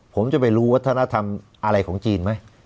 ผมจะไปรู้วัฒนธรรมอะไรของจีนไหม